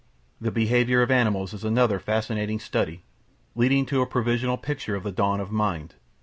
The behaviour of animals is another fascinating study, leading to a provisional picture of the dawn of mind.